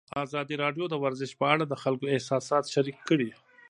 ازادي راډیو د ورزش په اړه د خلکو احساسات شریک کړي.